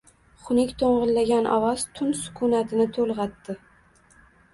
Xunuk to‘ng‘illagan ovoz tun sukunatini to‘lg‘atdi.